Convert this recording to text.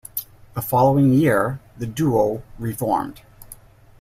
The following year, the duo re-formed.